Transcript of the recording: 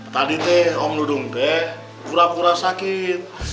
tadi om dudung kura kura sakit